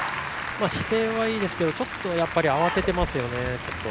姿勢はいいですけどちょっと慌ててますよね。